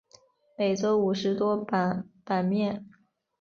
每周五十多版版面。